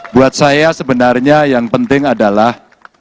buat saya sebenarnya yang penting adalah